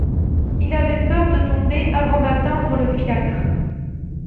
Il avait peur de tomber avant d'atteindre le fiacre.